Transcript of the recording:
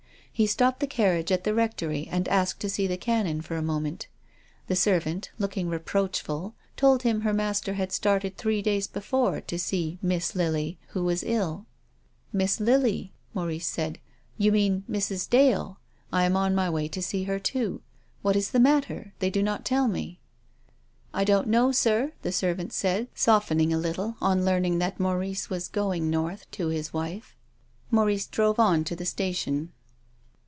He stopped the carriage at the Rectory and asked to see the Canon for a moment. The servant, looking reproachful, told him her master had started three days before to see " Miss Lily," who was ill. " Miss Lily," Maurice said. "You mean Mrs. Dale. I am on my way to see her too. What is the matter? They do not tell me." " I don't know, sir," the servant said, softening a little on learning that Maurice was going north to his wife. Maurice drove on to the station.